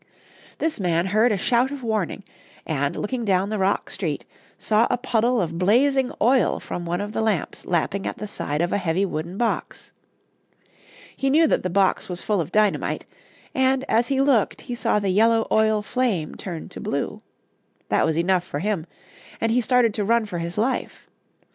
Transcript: This man heard a shout of warning, and, looking down the rock street, saw a puddle of blazing oil from one of the lamps lapping at the side of a heavy wooden box. He knew that the box was full of dynamite, and as he looked he saw the yellow oil flame turn to blue. That was enough for him, and he started to run for his life.